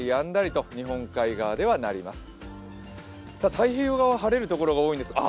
太平洋側は晴れるところが多いです。